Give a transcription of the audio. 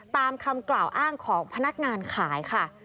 ตามคำกล่าวอ้างของพนักงานขายค่ะ